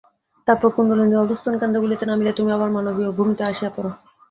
তারপর কুণ্ডলিনী অধস্তন কেন্দ্রগুলিতে নামিলে তুমি আবার মানবীয় ভূমিতে আসিয়া পড়।